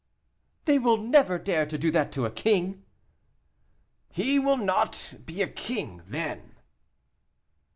"They will never dare to do that to a king." "He will not be a king then."